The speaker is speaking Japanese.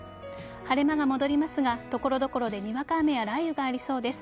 晴れ間が戻りますが、所々でにわか雨や雷雨がありそうです。